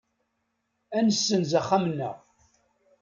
Ad nessenz axxam-nneɣ.